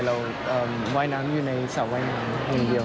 ว่ายน้ำอยู่ในสระว่ายน้ำอย่างเดียว